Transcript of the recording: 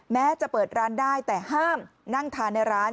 แม้จะเปิดร้านได้แต่ห้ามนั่งทานในร้าน